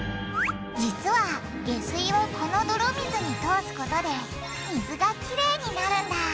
実は下水をこの泥水に通すことで水がキレイになるんだ！